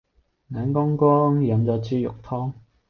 眼光光，飲咗豬肉湯